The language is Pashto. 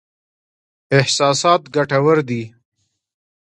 احساسات ګټور دي.